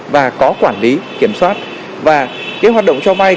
và có quản lý kiểm soát và cái hoạt động cho vay